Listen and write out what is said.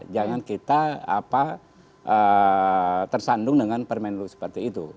jangan kita tersandung dengan permen lu seperti itu